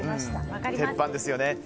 鉄板ですよね。